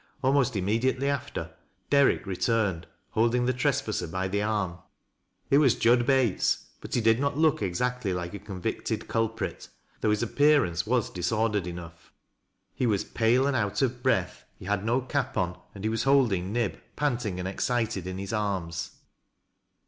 Almost immediately after, Derrick returned, holding the trespasser by the arm. It was Jud Bates, l)ut he did not look exactly like a tonvicted culprit, though his appearance ^vas disordered "jiOQgh. He was pa^e and out of breath, he had do cap WASNED. 191 Oil, and he was holding Kib, panting and excited, in liia arms.